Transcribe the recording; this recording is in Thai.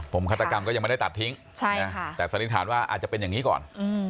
ผมฆาตกรรมก็ยังไม่ได้ตัดทิ้งแต่สันนิษฐานว่าอาจจะเป็นอย่างนี้ก่อน